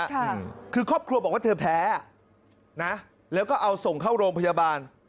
ค่ะคือครอบครัวบอกว่าเธอแพ้นะแล้วก็เอาส่งเข้าโรงพยาบาล